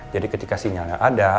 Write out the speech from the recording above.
jadi ketika sinyalnya ada